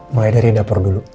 mulai dari dapur dulu